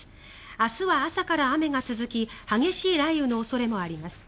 明日は朝から雨が続き激しい雷雨の恐れもあります。